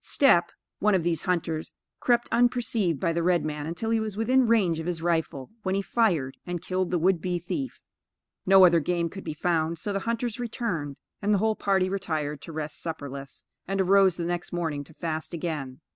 Step (one of these hunters) crept unperceived by the red man until he was within range of his rifle, when he fired, and killed the would be thief. No other game could be found, so the hunters returned, and the whole party retired to rest supperless, and arose the next morning to fast again.